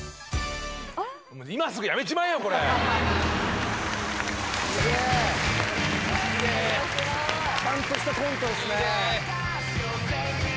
今すぐやめちまえよこれ！いいねぇ！ちゃんとしたコントですね。